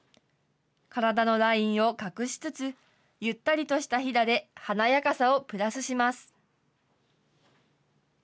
体のラインを隠しつつ、ゆったりとしたひだで華やかさをプラスします。